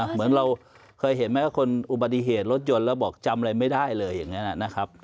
เหมือนเราเคยเห็นไหมคนอุบัติเหตุรถยนต์แล้วบอกจำอะไรไม่ได้เลยอย่างนั้นนะครับ